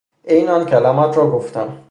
عین آن کلمات را گفتم.